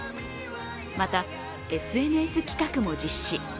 また、ＳＮＳ企画も実施。